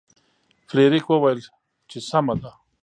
فلیریک وویل چې سمه ده.